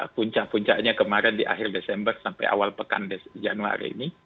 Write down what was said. puncak puncaknya kemarin di akhir desember sampai awal pekan januari ini